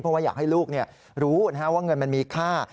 เพราะว่าอยากให้ลูกรู้ว่าเงินมันมีค่า